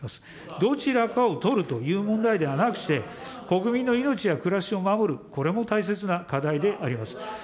どちらかを取るという問題ではなくて、国民の命や暮らしを守る、これも大切な課題であります。